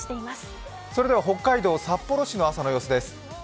それでは北海道札幌市の朝の様子です。